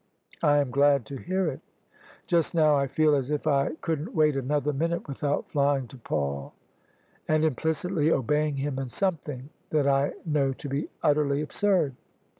" I am glad to hear it." " Just now I feel as if I couldn't wait another minute without flying to Paul and implicitly obeying him in some thing that I know to be utterly absurd.